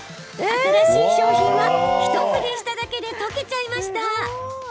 新しい商品はひと振りしただけで溶けちゃいました。